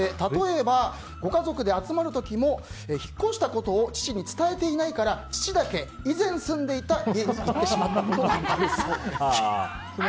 連絡不精だということで例えばご家族で集まる時も引っ越したことを父に伝えていないから父だけ以前住んでいた家に行ってしまったことがあったそうです。